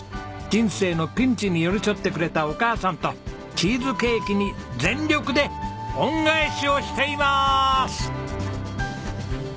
人生のピンチに寄り添ってくれたお母さんとチーズケーキに全力で恩返しをしていまーす！